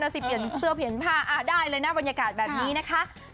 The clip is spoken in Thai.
สิเปลี่ยนเสื้อเปลี่ยนผ้าได้เลยนะบรรยากาศแบบนี้นะคะ